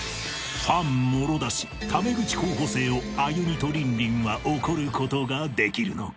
ファンもろ出しタメ口候補生をアユニとリンリンは怒ることができるのか？